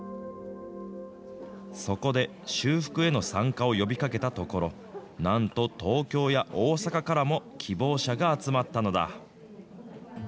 そこで修復への参加を呼びかけたところ、なんと東京や大阪からも希望者が集まったのだ。